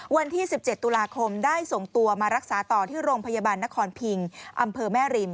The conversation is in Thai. วันที่๑๗ตุลาคมได้ส่งตัวมารักษาต่อที่โรงพยาบาลนครพิงอำเภอแม่ริม